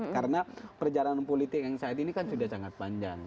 karena perjalanan politik yang saat ini kan sudah sangat panjang